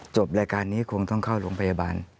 จบรายการนี้คงต้องเข้าโรงพยาบาล